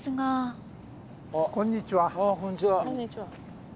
こんにちは。